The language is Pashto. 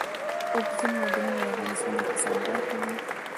اوبزین معدنونه د افغانستان د اقتصاد برخه ده.